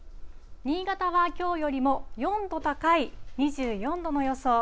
新潟はきょうよりも４度高い２４度の予想。